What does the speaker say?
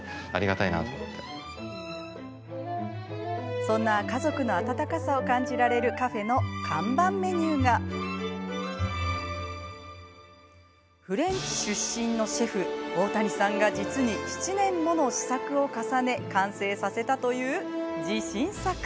そんな家族の温かさを感じられるカフェの看板メニューがフレンチ出身のシェフ大谷さんが実に７年もの試作を重ね完成させたという自信作。